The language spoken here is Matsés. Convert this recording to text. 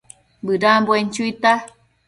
Bëdambuen chuita